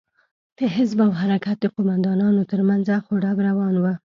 د حزب او حرکت د قومندانانو تر منځ اخ و ډب روان و.